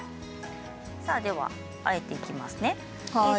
では、あえていきますね。